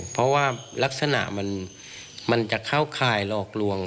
เพราะว่าลักษณะมันจะเข้าข่ายหลอกลวง